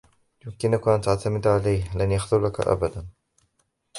يمكنك أن تعتمد عليه. لن يخذلك أبدًا.